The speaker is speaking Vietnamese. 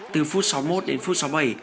từ phút sáu mươi một đến phút sáu mươi bảy